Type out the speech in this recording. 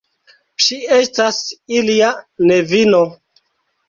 Ŝi estas ilia nevino.